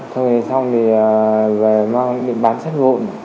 thôi xong thì về bán sắt vụn